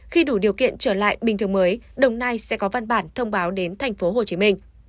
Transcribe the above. khi đủ điều kiện trở lại bình thường mới đồng nai sẽ có văn bản thông báo đến tp hcm